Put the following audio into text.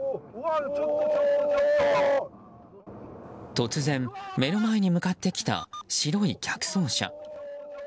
突然目の前に向かってきた白い逆走車。